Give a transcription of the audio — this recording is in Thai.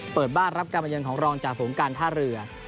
เปิดบ้านรับกรรมยนต์ของรองจากหงค์การท่าเรือ